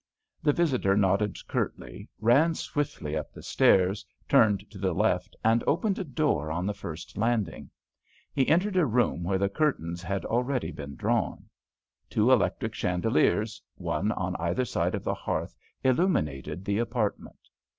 The visitor nodded curtly, ran swiftly up the stairs, turned to the left, and opened a door on the first landing. He entered a room where the curtains had already been drawn. Two electric chandeliers, one on either side of the hearth, illuminated the apartment.